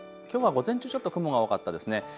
きょうは午前中ちょっと雲が多かったですね。